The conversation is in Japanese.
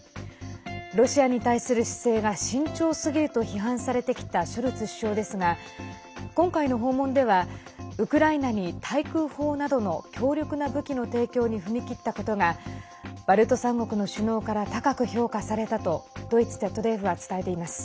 ロシアに対する姿勢が慎重すぎると批判されてきたショルツ首相ですが今回の訪問ではウクライナに対空砲などの強力な武器の提供に踏み切ったことがバルト３国の首脳から高く評価されたとドイツＺＤＦは伝えています。